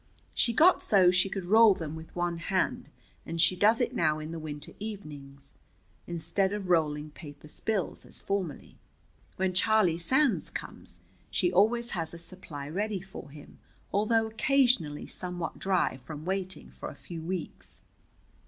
She got so she could roll them with one hand, and she does it now in the winter evenings, instead of rolling paper spills as formerly. When Charlie Sands comes, she always has a supply ready for him, although occasionally somewhat dry from waiting for a few weeks.